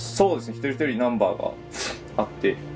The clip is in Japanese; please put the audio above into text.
一人一人ナンバーがあって。